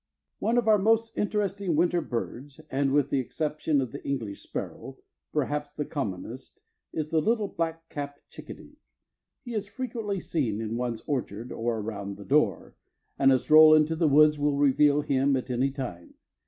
One of our most interesting winter birds and (with the exception of the English sparrow) perhaps the commonest, is the little black cap chicadee. He is frequently seen in one's orchard and around the door, and a stroll into the woods will reveal him at any time.